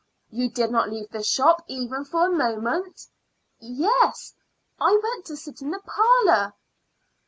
"You did not leave the shop even for a moment?" "Yes; I went to sit in the parlor."